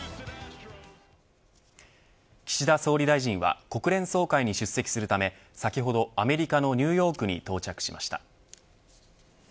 岸田総理大臣は国連総会に出席するため先ほど、アメリカのニューヨークに到着しました。